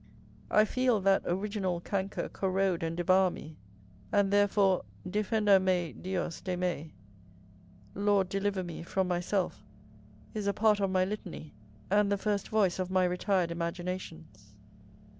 I feel that original canker corrode and devour me: and therefore, "Defenda me, Dios, de me!" "Lord, deliver me from myself!" is a part of my litany, and the first voice of my retired imaginations.